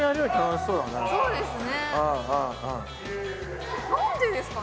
そうですね